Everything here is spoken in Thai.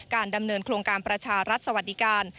ดำเนินโครงการประชารัฐสวัสดิการ